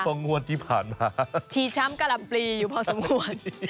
ต้องงวดที่ผ่านมาชีช้ำการัมปรีอยู่พอสมควร